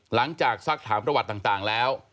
หลังจากศักดิ์ถามประวัติต่างแล้ว